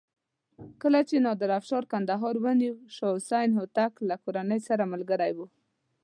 کله چې نادر افشار کندهار ونیو شاه حسین هوتک له کورنۍ سره ملګری و.